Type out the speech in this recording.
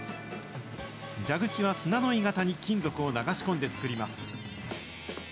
蛇口は砂の鋳型に金属を流し込んで作ります。